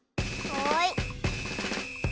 はい。